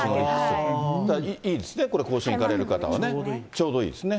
これ、いいですね、これ、甲子園行かれる方はちょうどいいですね。